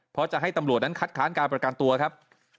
เพราะจะให้ตำรวจนั้นคัดค้านการประกันตัวครับ